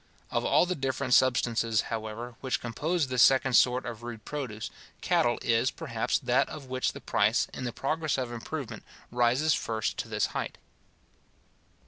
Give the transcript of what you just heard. Of all the different substances, however, which compose this second sort of rude produce, cattle is, perhaps, that of which the price, in the progress of improvement, rises first to this height.